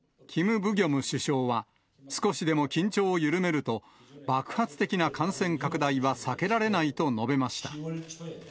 ブギョム首相は、少しでも緊張を緩めると、爆発的な感染拡大は避けられないと述べました。